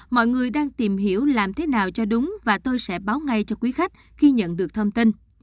mọi người đang tìm hiểu làm thế nào cho đúng và tôi sẽ báo ngay cho quý khách khi nhận được thông tin